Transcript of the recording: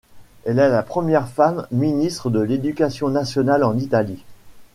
Elle est la première femme ministre de l'Éducation nationale en Italie.